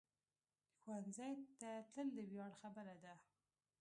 ښوونځی ته تلل د ویاړ خبره ده